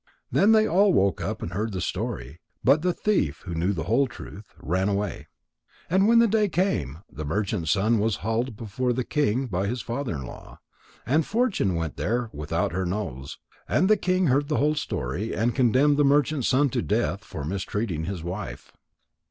Then they all woke up and heard the story, but the thief who knew the whole truth, ran away. And when day came, the merchant's son was haled before the king by his father in law. And Fortune went there without her nose, and the king heard the whole story and condemned the merchant's son to death for mistreating his wife.